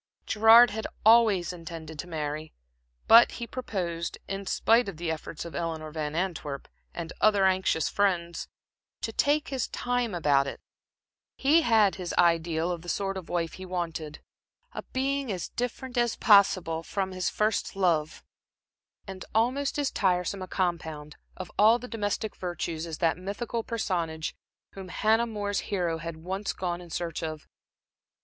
Gerard had always intended to marry, but he proposed, in spite of the efforts of Eleanor Van Antwerp and other anxious friends, to take his time about it. He had his ideal of the sort of wife he wanted a being as different as possible from his first love, and almost as tiresome a compound of all the domestic virtues as that mythical personage whom Hannah More's hero had once gone in search of.